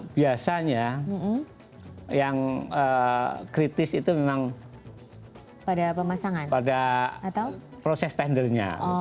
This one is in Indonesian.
biasanya yang kritis itu memang pada proses tendernya